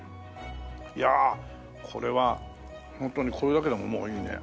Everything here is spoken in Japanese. いやあこれはホントにこれだけでももういいね。